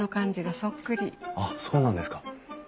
あっそうなんですか。